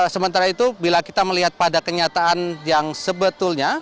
sementara itu bila kita melihat pada kenyataan yang sebetulnya